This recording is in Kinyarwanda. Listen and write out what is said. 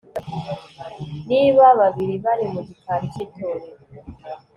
niba babiri bari mu gikari cy'itorero